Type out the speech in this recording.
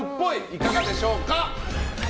いかがでしょうか？